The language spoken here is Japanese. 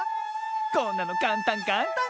こんなのかんたんかんたん！